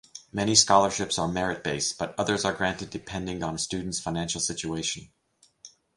Many scholarships are merit-based, but others are granted depending on a student's financial situation.